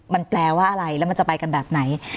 มันแปลว่าอะไรแล้วมันจะไปกันแบบไหน